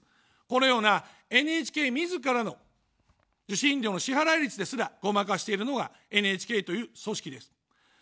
このようなＮＨＫみずからの、受信料の支払い率ですら、ごまかしているのがＮＨＫという組織です。